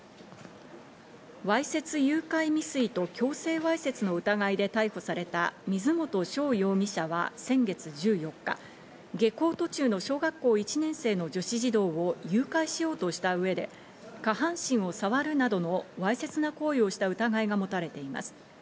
わいせつ誘拐未遂と強制わいせつの疑いで逮捕された水本翔容疑者は先月１４日、下校途中の小学校１年生の女子児童を誘拐しようとした上で下半身をさわるなどのわいせつな行為をした疑いが持たれています。